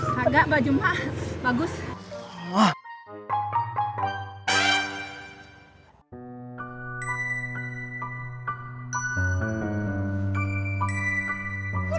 kagak mbak jum'at bagus